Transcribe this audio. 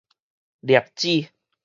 粒子